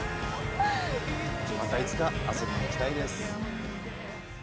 またいつか遊びに来たいです！